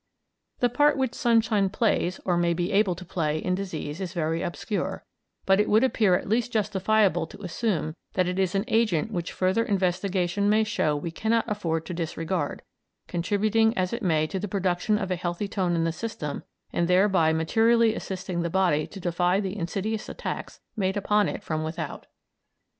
The part which sunshine plays, or may be made to play, in disease is very obscure, but it would appear at least justifiable to assume that it is an agent which further investigation may show we cannot afford to disregard, contributing as it may to the production of a healthy tone in the system, and thereby materially assisting the body to defy the insidious attacks made upon it from without.